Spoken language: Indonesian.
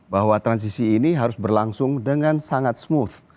bahwa transisi ini harus berlangsung dengan sangat smooth